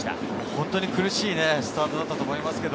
本当に苦しいスタートだったと思います。